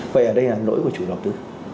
vậy ở đây là lỗi của chủ đầu tư